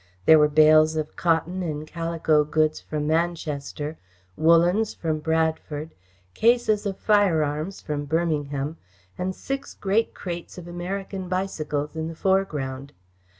There were bales of cotton and calico goods from Manchester, woollens from Bradford, cases of firearms from Birmingham, and six great crates of American bicycles in the foreground.